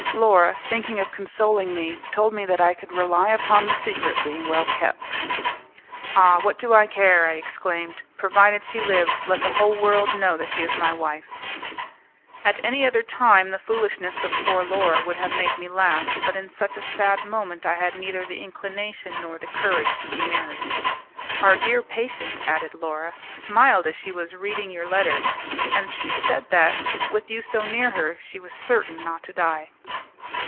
Laura, thinking of consoling me, told me that I could rely upon the secret being well kept. "Ah! what do I care!" I exclaimed. "Provided she lives, let the whole world know that she is my wife!" At any other time, the foolishness of poor Laura would have made me laugh; but in such a sad moment I had neither the inclination nor the courage to be merry. "Our dear patient," added Laura, "smiled as she was reading your letter, and she said that, with you so near her, she was certain not to die."